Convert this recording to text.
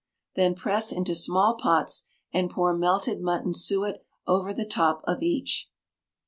Then press into small pots, and pour melted mutton suet over the top of each.